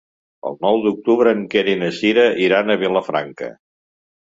El nou d'octubre en Quer i na Sira iran a Vilafranca.